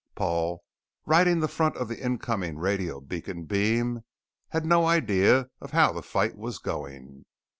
Paul, riding the front of the incoming radio beacon beam, had no idea of how the fight was going.